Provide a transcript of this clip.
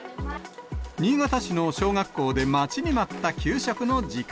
新潟市の小学校で、待ちに待った給食の時間。